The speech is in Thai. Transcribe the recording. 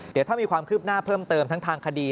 เดี๋ยวถ้ามีความคืบหน้าเพิ่มเติมทั้งทางคดี